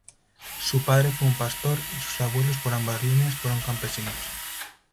Su padre fue un pastor y sus abuelos por ambas líneas fueron campesinos.